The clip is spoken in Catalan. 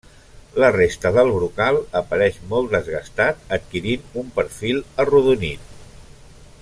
La resta del brocal apareix molt desgastat, adquirint un perfil arrodonit.